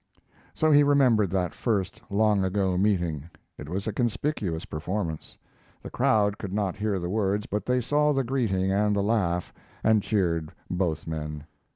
So he remembered that first, long ago meeting. It was a conspicuous performance. The crowd could not hear the words, but they saw the greeting and the laugh, and cheered both men.